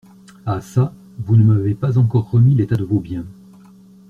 Ah çà ! vous ne m’avez pas encore remis l’état de vos biens.